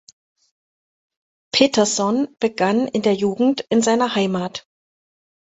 Peterson begann in der Jugend in seiner Heimat.